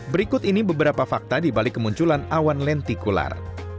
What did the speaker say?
berikut ini beberapa fakta di balik kemunculan awan lentikular